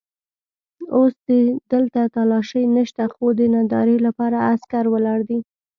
اوس دلته تالاشۍ نشته خو د نندارې لپاره عسکر ولاړ دي.